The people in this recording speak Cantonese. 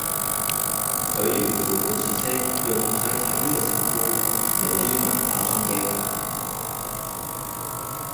佢段付款訊息用太太呢個稱呼，有啲文化衝擊